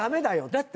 だって。